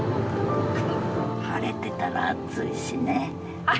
晴れてたら暑いしね。